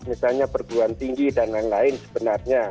misalnya perguruan tinggi dan lain lain sebenarnya